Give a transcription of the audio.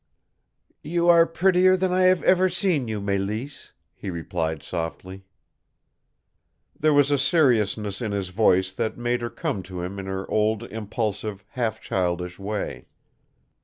"You are prettier than I have ever seen you, Mélisse," he replied softly. There was a seriousness in his voice that made her come to him in her old impulsive, half childish way.